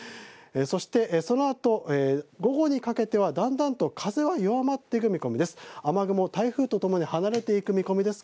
そのあと午後にかけてはだんだんと風は弱まっていく見込みです。